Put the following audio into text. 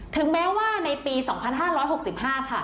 ถึงแม้ว่าในปี๒๕๖๕ค่ะ